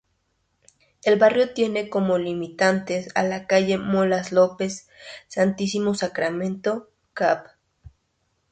El barrio tiene como limitantes a la calles Molas López, Santísimo Sacramento, Cap.